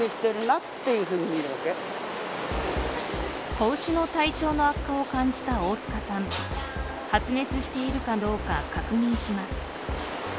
子牛の体調の悪化を感じた大塚さん発熱しているかどうか確認します。